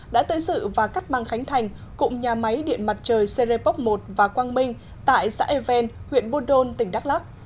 đã tới sự và cắt mang khánh thành cụm nhà máy điện mặt trời cerepop một và quang minh tại xã ewen huyện bodol tỉnh đắk lắc